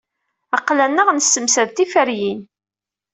Aql-aneɣ nessemsad tiferyin.